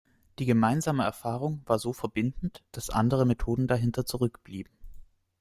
Die gemeinsame Erfahrung war so verbindend, dass andere Methoden dahinter zurück blieben.